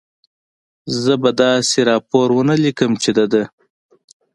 زه به داسې راپور و نه لیکم، چې د ده.